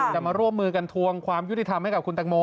จะมาร่วมมือกันทวงความยุติธรรมให้กับคุณตังโม